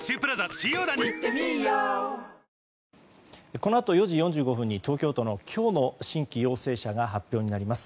このあと４時４５分に東京都の今日の新規陽性者が発表になります。